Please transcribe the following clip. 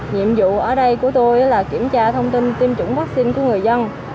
nhiệm vụ ở đây của tôi là kiểm tra thông tin tiêm chủng vaccine của người dân